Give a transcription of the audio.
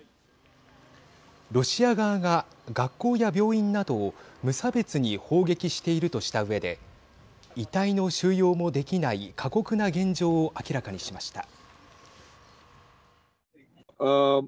ロシア側が、学校や病院などを無差別に砲撃しているとしたうえで遺体の収容もできない過酷な現状を明らかにしました。